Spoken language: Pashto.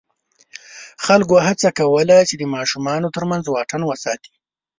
خلکو هڅه کوله چې د ماشومانو تر منځ واټن وساتي.